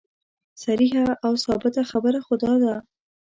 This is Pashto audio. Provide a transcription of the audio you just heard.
صریحه او ثابته خبره خو دا ده.